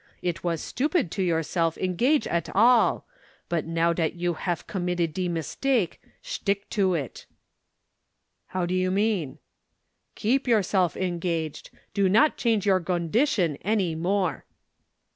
It was stupid to yourself engage at all but, now dat you haf committed de mistake, shtick to it!" "How do you mean?" "Keep yourself engaged. Do not change your gondition any more."